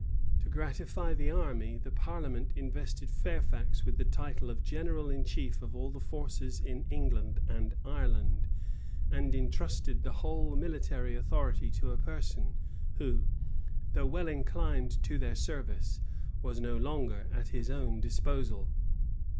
To gratify the army, the parliament invested Fairfax with the title of general in chief of all the forces in England and Ireland; and intrusted the whole military authority to a person who, though well inclined to their service, was no longer at his own disposal.